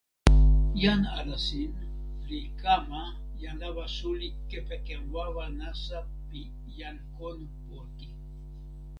jan Alasin li kama jan lawa suli kepeken wawa nasa pi jan kon poki.